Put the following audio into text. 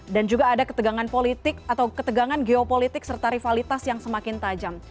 dan juga ada ketegangan politik atau ketegangan geopolitik serta rivalitas yang semakin tajam